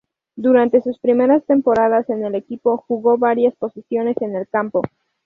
Durante sus primeras temporadas en el equipo jugó en varias posiciones en el campo.